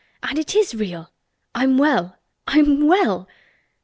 And it is real! I'm well—I'm _well!